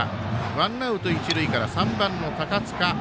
ワンアウト、一塁から３番の高塚。